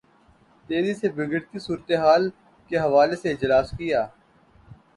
تیزی سے بگڑتی صورت حال کے حوالے سے اجلاس کیا